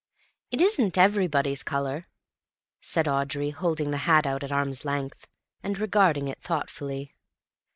"It isn't everybody's colour," said Audrey, holding the hat out at arm's length, and regarding it thoughtfully.